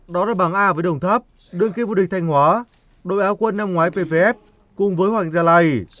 đó là bảng a với đồng thấp đương kia vô địch thanh hóa đội áo quân năm ngoái pvs cùng với hoàng gia lầy